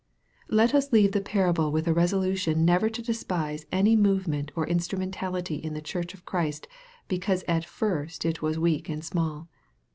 Let us leave the parable with a resolution never to despise any movement or instrumentality in the church of Christ, because at first it was weak and small.